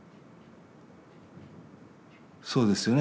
そうですよね